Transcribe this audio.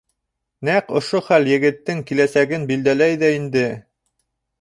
Нәҡ ошо хәл егеттең киләсәген билдәләй ҙә инде.